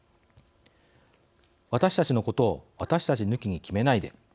「私たちのことを私たち抜きに決めないで」